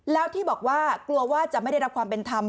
แล้วที่บอกว่ากลัวว่าจะไม่ได้รับความเป็นธรรม